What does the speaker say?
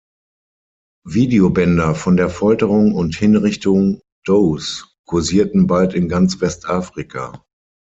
Videobänder von der Folterung und Hinrichtung Does kursierten bald in ganz Westafrika.